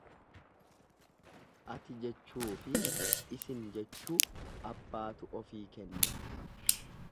Ati jechuufi isin jechuu abbaatu ofii kenna.